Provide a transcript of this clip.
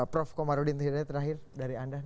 prof komarudin hidayat terakhir dari anda